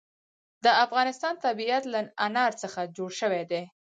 د افغانستان طبیعت له انار څخه جوړ شوی دی.